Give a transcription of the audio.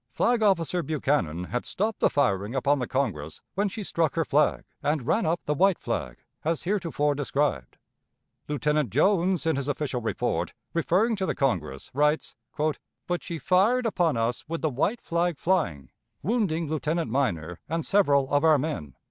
Flag officer Buchanan had stopped the firing upon the Congress when she struck her flag, and ran up the white flag, as heretofore described. Lieutenant Jones in his official report, referring to the Congress, writes: "But she fired upon us with the white flag flying, wounding Lieutenant Minor and several of our men.